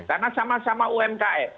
karena sama sama umkf